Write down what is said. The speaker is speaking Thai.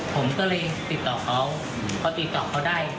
ผมก็เลยติดต่อเขาพอติดต่อเขาได้